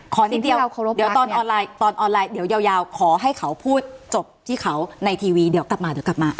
ขอสิ่งเดียวตอนออนไลน์เดี๋ยวยาวขอให้เขาพูดจบที่เขาในทีวีเดี๋ยวกลับมา